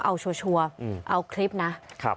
เอาชัวร์เอาคลิปนะ